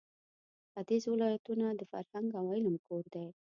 ختیځ ولایتونه د فرهنګ او علم کور دی.